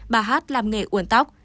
bà hát làm nghề uổng tóc